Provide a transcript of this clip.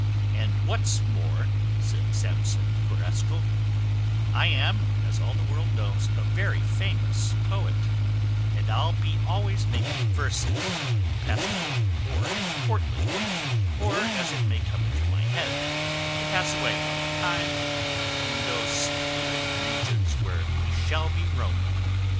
"And what's more," said Samson Carrasco, "I am, as all the world knows, a very famous poet, and I'll be always making verses, pastoral, or courtly, or as it may come into my head, to pass away our time in those secluded regions where we shall be roaming.